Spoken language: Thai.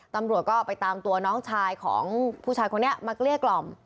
ตำรวจก็ไปตามตัวน้องชายของผู้ชายคนนี้มาเกลี้ยกล่อม